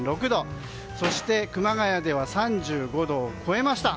そして熊谷で３５度を超えました。